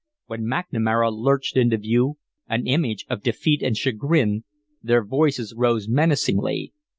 When McNamara lurched into view, an image of defeat and chagrin, their voices rose menacingly.